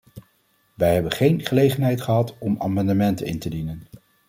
Wij hebben geen gelegenheid gehad om amendementen in te dienen.